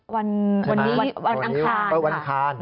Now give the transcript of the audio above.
วันอังคาร